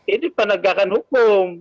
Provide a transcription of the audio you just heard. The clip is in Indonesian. ini penegakan hukum